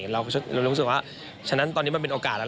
เรารู้สึกว่าฉะนั้นตอนนี้มันเป็นโอกาสแล้ว